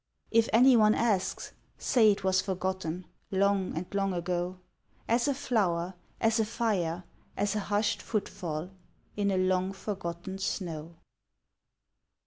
If anyone asks, say it was forgotten Long and long ago, As a flower, as a fire, as a hushed footfall In a long forgotten snow.